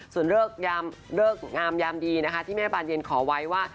ส่วนเลิกงามยามดีนะคะที่แม่บานเย็นขอไว้ว่า